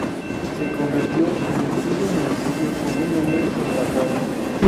Se convirtió en el quinto municipio con un nombre en lapón.